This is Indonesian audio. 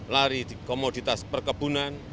lari di komoditas perkebunan